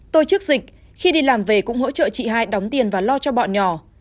tôi trước dịch khi đi làm về cũng hỗ trợ chị hai đóng tiền và lo cho bọn nhỏ